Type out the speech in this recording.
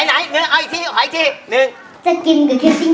ไหนเอาอีกทีเอาอีกที